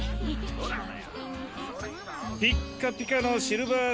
ピッカピカのシルバースプーン！